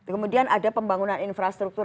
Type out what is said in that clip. kemudian ada pembangunan infrastruktur